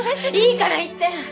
いいから行って！